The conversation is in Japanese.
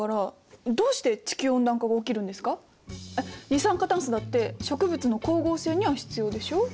二酸化炭素だって植物の光合成には必要でしょう？